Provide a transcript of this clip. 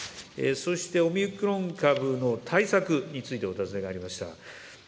そしてオミクロン株の対策についてお尋ねがありました。